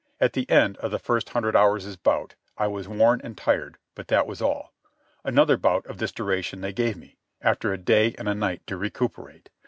At the end of the first hundred hours' bout I was worn and tired, but that was all. Another bout of this duration they gave me, after a day and a night to recuperate.